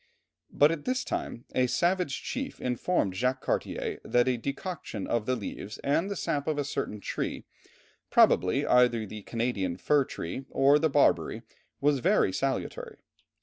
But at this time a savage chief informed Jacques Cartier that a decoction of the leaves and sap of a certain tree, probably either the Canadian fir tree or the barberry, was very salutary.